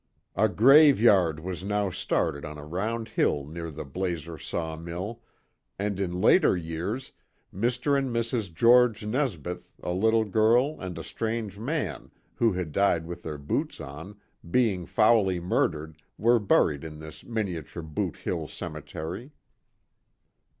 A grave yard was now started on a round hill near the Blazer saw mill, and in later years, Mr. and Mrs. George Nesbeth, a little girl, and a strange man, who had died with their boots on being fouly murdered were buried in this miniature "Boot Hill" cemetery.